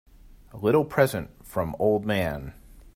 A little present from old man.